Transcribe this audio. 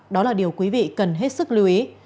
đó là điều quý vị cần hết sức lưu ý